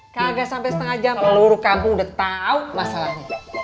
kagak sampai setengah jam seluruh kampung udah tahu masalahnya